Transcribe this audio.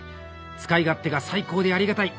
使い勝手が最高でありがたい